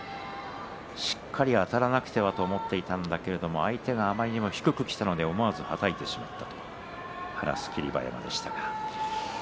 しっかりあたらなくてはと思っていたんだけれども相手があまりにも低くきたので思わずはたいてしまったと話していた霧馬山です。